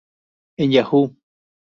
En Yahoo!